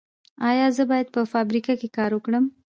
ایا زه باید په فابریکه کې کار وکړم؟